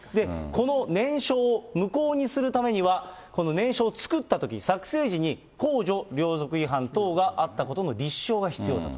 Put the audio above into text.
この念書を無効にするためにはこの念書を作ったとき、作成時に、公序良俗違反等があったことの立証が必要と。